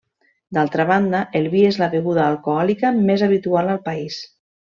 D'altra banda, el vi és la beguda alcohòlica més habitual al país.